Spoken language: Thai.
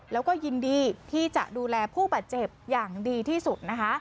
แล้วก็ยินดีที่จะดูแลผู้บาดเจ็บอย่างดีที่สุดนะคะ